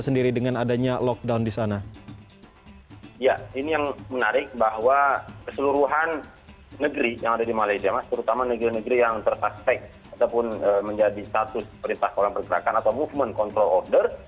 terutama negeri negeri yang tertaspek ataupun menjadi status perintah koran pergerakan atau movement control order